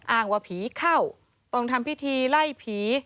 อ้างว่าผีเข้าต้องทำพิธีไล่ผี